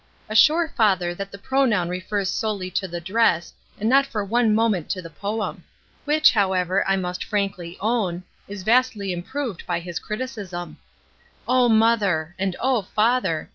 Assure father that the pronoun refers solely to the dress and not for one moment to the poem; which, however, I must frankly own, HOUSEHOLD QUESTIONINGS 295 is vastly improved by his criticism. mother ! and O father!